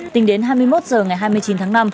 tính đến hai mươi một h ngày hai mươi chín tháng năm